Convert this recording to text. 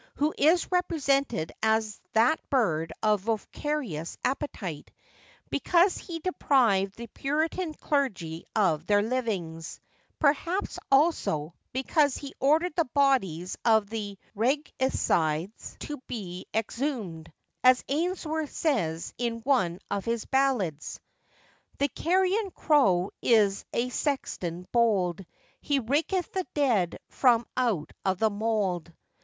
who is represented as that bird of voracious appetite, because he deprived the puritan clergy of their livings; perhaps, also, because he ordered the bodies of the regicides to be exhumed—as Ainsworth says in one of his ballads:— THE carrion crow is a sexton bold, He raketh the dead from out of the mould.